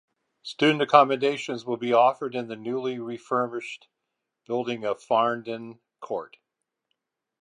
Student accommodation will be offered in the newly refurbished building at Farndon Court.